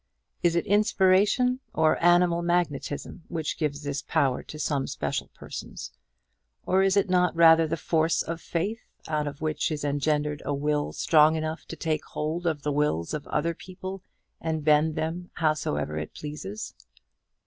Is it inspiration or animal magnetism which gives this power to some special persons? or is it not rather the force of faith, out of which is engendered a will strong enough to take hold of the wills of other people, and bend them howsoever it pleases?